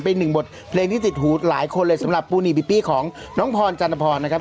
เป็นหนึ่งบทเพลงที่ติดหูหลายคนเลยสำหรับปูนีบิปี้ของน้องพรจันทพรนะครับ